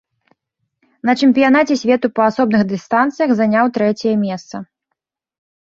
На чэмпіянаце свету па асобных дыстанцыях заняў трэцяе месца.